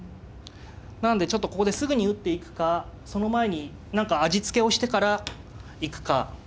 なんでちょっとここですぐに打っていくかその前に何か味付けをしてから行くか。